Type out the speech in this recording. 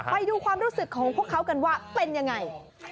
ไปดูความรู้สึกของพวกเขากันว่าเป็นยังไง